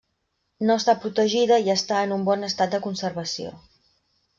No està protegida i està en un bon estat de conservació.